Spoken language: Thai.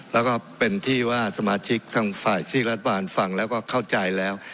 และก็เป็นที่ว่าสมาชิกทั้งฝ่ายศิรษฐ์ประวัติภัณฑ์ฝั่งและเข้าใจแล้ว